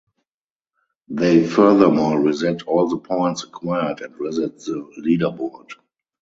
They furthermore reset all the points acquired and reset the leaderboard.